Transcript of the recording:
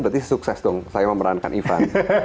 berarti sukses dong saya memerankan ivan